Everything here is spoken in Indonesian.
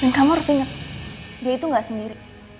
dan kamu harus inget dia itu ga sendiri